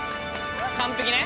完璧ね？